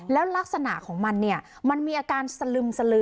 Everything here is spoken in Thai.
แล้วลักษณะของมันเนี่ยมันมีอาการสลึมสลือ